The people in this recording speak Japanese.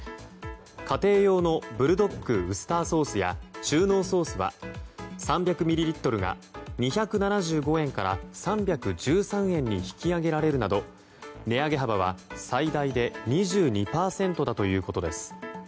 家庭用のブルドックウスターソースや中濃ソースは３００ミリリットルが２７５円から３１３円に引き上げられるなど値上げ幅は最大で２２％ということです。